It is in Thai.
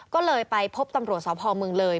ก็เลยไปพบตำรวจสพเมืองเลย